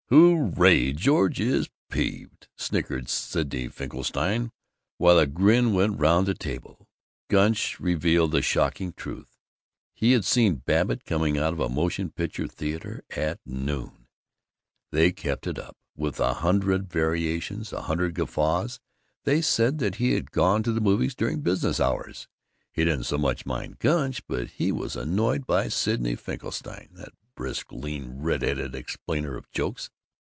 "Hurray! George is peeved!" snickered Sidney Finkelstein, while a grin went round the table. Gunch revealed the shocking truth: He had seen Babbitt coming out of a motion picture theater at noon! They kept it up. With a hundred variations, a hundred guffaws, they said that he had gone to the movies during business hours. He didn't so much mind Gunch, but he was annoyed by Sidney Finkelstein, that brisk, lean, red headed explainer of jokes.